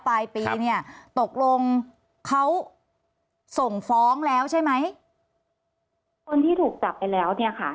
ปลายปีเนี่ยตกลงเขาส่งฟ้องแล้วใช่ไหมคนที่ถูกจับไปแล้วเนี่ยค่ะ